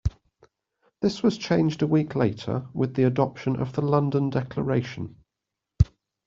This was changed a week later with the adoption of the London Declaration.